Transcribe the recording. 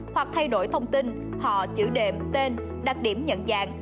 hoặc thay đổi thông tin họ chữ đệm tên đặc điểm nhận dạng